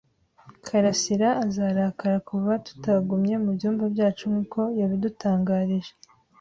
karasira azarakara kuva tutagumye mubyumba byacu nkuko yabidutangarije.